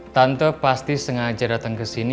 tante pasti sengaja datang kesini